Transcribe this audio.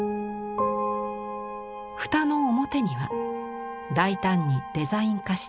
蓋の表には大胆にデザイン化した松。